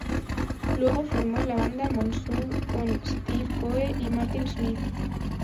Luego formó la banda Monsoon con Steve Coe y Martin Smith.